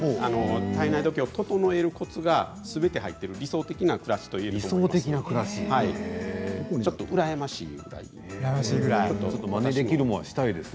体内時計を整えるコツがすべて入っている理想的な暮らしといえます。